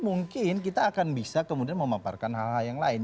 mungkin kita akan bisa kemudian memaparkan hal hal yang lain